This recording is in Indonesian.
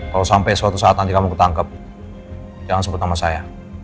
kalau sampai suatu saat nanti kamu ketangkep jangan sebut nama saya